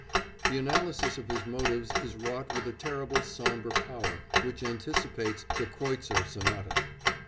The analysis of his motives is wrought with a terrible sombre power, which anticipates The Kreutzer Sonata.